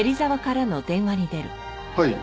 はい。